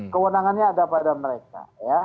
kewenangannya ada pada mereka